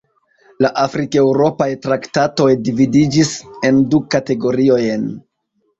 La afrikeŭropaj traktatoj dividiĝis en du kategoriojn.